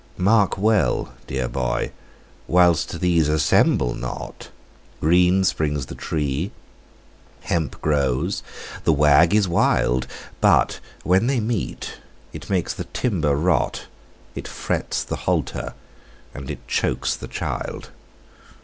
Now mark, dear boy—while these assemble not, Green springs the tree, hemp grows, the wag is wild; But when they meet, it makes the timber rot, It frets the halter, and it chokes the child.